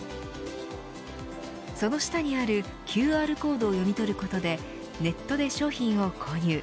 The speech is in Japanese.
その下にあるＱＲコードを読み取ることでネットで商品を購入